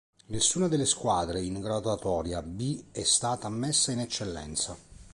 Nessuna delle squadre in graduatoria "B" è stata ammessa in Eccellenza.